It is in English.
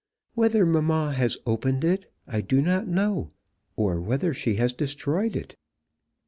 Whether mamma has opened it I do not know, or whether she has destroyed it.